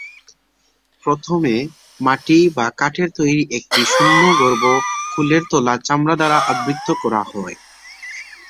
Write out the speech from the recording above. প্রথমে মাটি বা কাঠের তৈরী একটি শূন্যগর্ভ খোলের তলা চামড়া দ্বারা আবৃত করা হয়।